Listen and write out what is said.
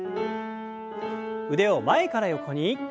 腕を前から横に。